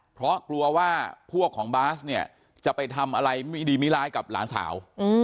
เพราะกลัวว่าพวกของบาสเนี่ยจะไปทำอะไรไม่ดีไม่ร้ายกับหลานสาว